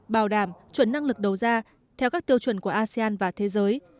bảo đảm chuẩn năng lực đầu ra theo các tiêu chuẩn của asean và thế giới